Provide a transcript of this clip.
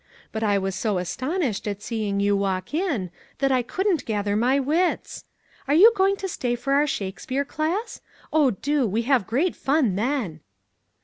But I was so astonished at seeing you walk in that I couldn't gather my wits. Are you going to stay for our Shakes peare class? Oh, do ! We have great fun then."